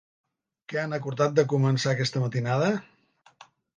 Què han acordat de començar aquesta matinada?